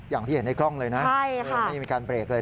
อย่างที่เห็นในกล้องเลยนะ